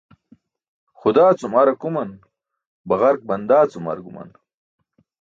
Xudaa cum ar akuman, baġark bandaa cum ar guman.